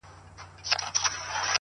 له غزل غزل د میني له داستانه ښایسته یې,